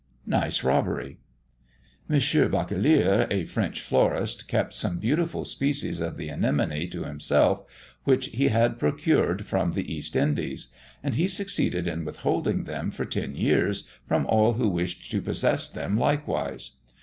NICE ROBBERY. M. Bachalier, a French florist, kept some beautiful species of the anemone to himself, which he had procured from the East Indies; and he succeeded in withholding them, for ten years, from all who wished to possess them likewise.